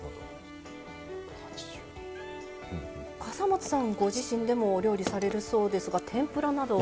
笠松さんご自身でもお料理されるそうですが天ぷらなどは。